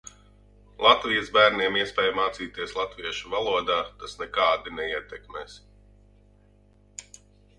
Latvijas bērniem iespēju mācīties latviešu valodā tas nekādi neietekmēs.